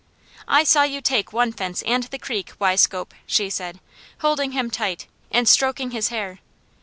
"I saw you take one fence and the creek, Weiscope!" she said, holding him tight, and stroking his hair.